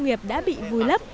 nghiệp đã bị vùi lấp